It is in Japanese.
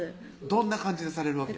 どんな感じにされるわけ？